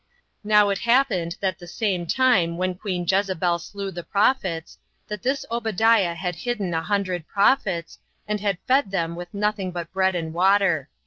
Now it happened that the same time when queen Jezebel slew the prophets, that this Obadiah had hidden a hundred prophets, and had fed them with nothing but bread and water.